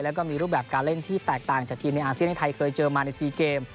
แล้วก็มีรูปแบบการเล่นที่แตกต่างจากทีมในอาเซียนที่ไทยเคยเจอมาใน๔เกม